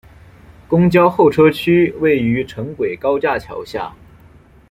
公交候车区位于城轨高架桥下。